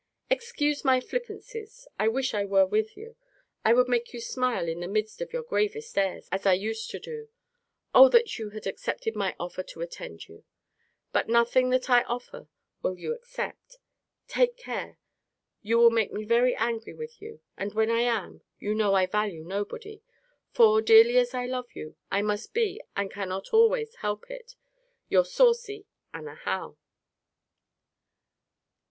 Excuse my flippancies. I wish I were with you. I would make you smile in the midst of your gravest airs, as I used to do. O that you had accepted of my offer to attend you! but nothing that I offer will you accept Take care! You will make me very angry with you: and when I am, you know I value nobody: for, dearly as I love you, I must be, and cannot always help it, Your saucy ANNA HOWE.